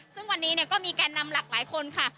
ซึ่งวันนี้ก็มีแก่นำหลากหลายคนค่ะ